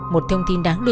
một thông tin đáng đứa